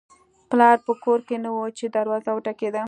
پلار په کور کې نه و چې دروازه وټکېده